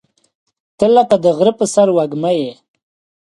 • ته لکه د غره پر سر وږمه یې.